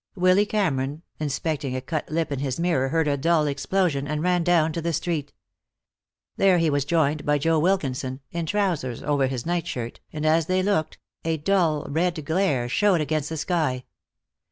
Willy Cameron, inspecting a cut lip in his mirror, heard a dull explosion, and ran down to the street. There he was joined by Joe Wilkinson, in trousers over his night shirt, and as they looked, a dull red glare showed against the sky.